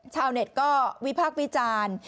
ชาวเน็ตก็วิพากษ์วิจารณ์